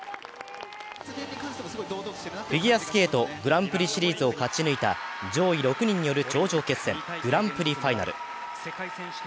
フィギュアスケート、グランプリシリーズを勝ち抜いた上位６人による頂上決戦、グランプリファイナル。